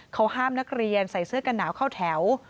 เขาห้ามนักเรียนใส่เสื้อกันหนาวเข้าแถว